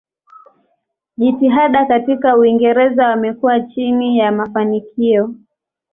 Jitihada katika Uingereza wamekuwa chini ya mafanikio.